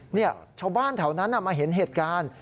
เนี่ยชาวบ้านแถวนั้นมาเห็นเหตุการณ์